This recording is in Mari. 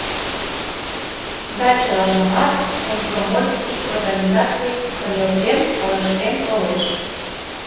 Да чылажымат комсомольский организаций кынелтен, ылыжтен толеш.